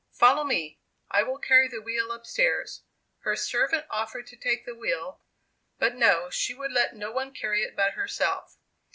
Follow me. I will carry the wheel up stairs." Her servant offered to take the wheel, but no, she would let no one carry it but herself.